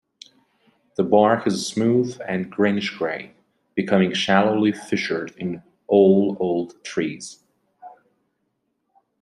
The bark is smooth and greenish-grey, becoming shallowly fissured in all old trees.